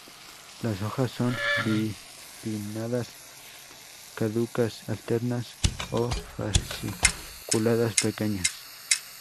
Las hojas son bipinnadas, caducas, alternas o fasciculadas, pequeñas.